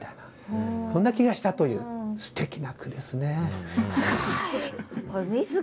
そんな気がしたというすごいですね。